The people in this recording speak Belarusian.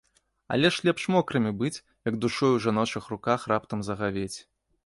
Але ж лепш мокрымі быць, як душою ў жаночых руках раптам загавець.